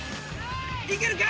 いけるか？